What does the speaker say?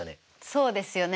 そうですよね。